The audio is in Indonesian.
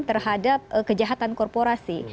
terhadap kejahatan korporasi